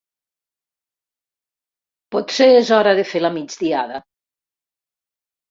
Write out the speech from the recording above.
Potser és hora de fer la migdiada.